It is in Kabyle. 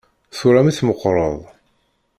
Tura mi tmeqqreḍ.